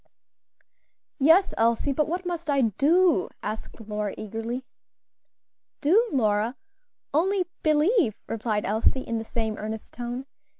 '" "Yes, Elsie, but what must I do?" asked Lora, eagerly. "Do, Lora? only believe" replied Elsie, in the same earnest tone.